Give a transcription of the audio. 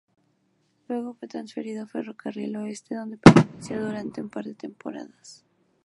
Luego fue transferido a Ferrocarril Oeste, donde permaneció durante un par de temporadas.